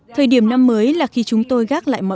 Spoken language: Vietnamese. thời điểm năm mới là khi chúng tôi có thể gặp mọi người